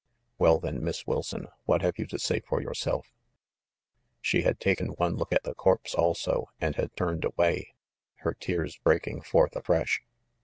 "Well, then, Miss Wilson, what have you to say for yourself ?" She had taken one look at the corpse also, and had turned away, her tears breaking forth afresh.